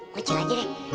ngecil aja deh